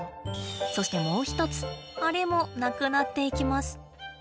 そしてもう一つあれもなくなっていきます。